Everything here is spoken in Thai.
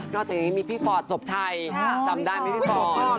นอกจากนี้มีพี่ฟอร์ดสบชัยจำได้มั้ยพี่ฟอร์น